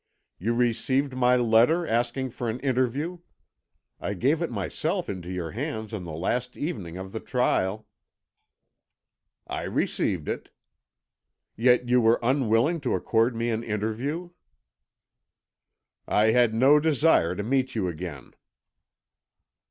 You received my letter asking for an interview? I gave it myself into your hands on the last evening of the trial." "I received it." "Yet you were unwilling to accord me an interview." "I had no desire to meet you again."